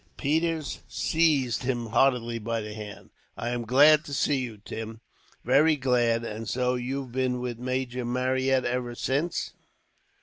Peters seized him heartily by the hand. "I am glad to see you, Tim, very glad. And so you've been with Major Marryat, ever since?"